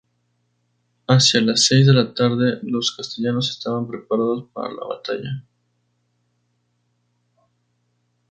Hacia las seis de la tarde, los castellanos estaban preparados para la batalla.